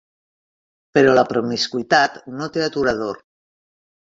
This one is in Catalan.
Però la promiscuïtat no té aturador.